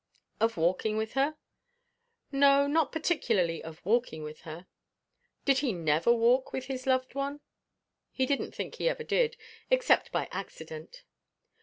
Of walking with her? No, not particularly of walking with her. Did he never walk with his loved one? He didn't think he ever did, except by accident.